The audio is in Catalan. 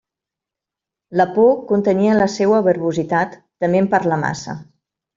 La por contenia la seua verbositat, tement parlar massa.